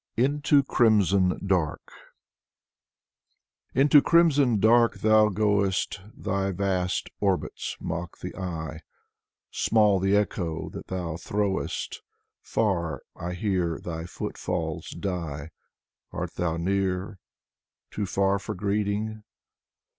126 Alexander Blok 127 " INTO CRIMSON DARK " Into crimson dark thou goest, Thy vast orbits mock the eye. Small the echo that thou throwest, Far, I hear thy footfalls die. Art thou near? — too far for greeting?